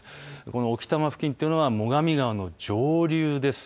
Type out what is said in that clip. この置賜付近というのは最上川の上流です。